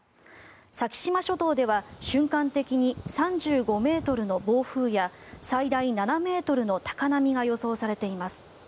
先島諸島では瞬間的に３５ｍの暴風や最大７ｍの高波が予想されています。